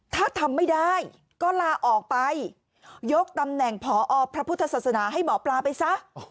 ถ้าทำไม่ได้ก็ลาออกไปยกตำแหน่งพอพระพุทธศาสนาให้หมอปลาไปซะ